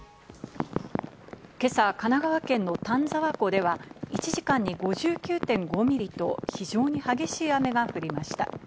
今朝、神奈川県の丹沢湖では１時間に５９．５ミリと非常に激しい雨が降りました。